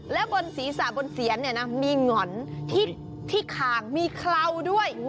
และบนศีรษะบนเสียนเนี่ยนะมีหง่อนที่คางมีเคราด้วย